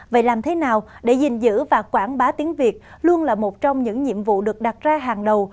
vậy làm thế nào để gìn giữ và quảng bá tiếng việt luôn là một trong những nhiệm vụ được đặt ra hàng đầu